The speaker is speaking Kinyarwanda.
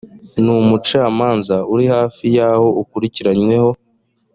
n umucamanza uri hafi y aho ukurikiranyweho